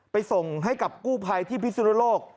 ส่งให้กับกู้ภัยที่พิสุนโลก